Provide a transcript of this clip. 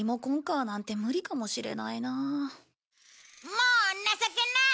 もう情けない！